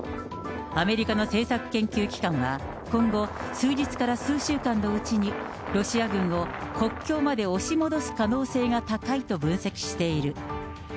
アメリカの政策研究機関は、今後、数日から数週間のうちにロシア軍を国境まで押し戻す可能性が高いと分析している。